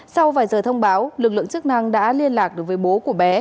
sau vài giờ thông báo lực lượng chức năng đã liên lạc được với bố của bé